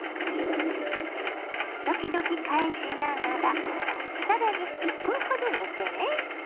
時々返しながらさらに１分ほど煮てね。